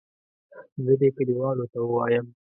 زه دې کلیوالو ته ووایم.